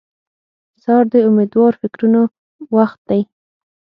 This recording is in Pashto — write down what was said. سهار د امېدوار فکرونو وخت دی.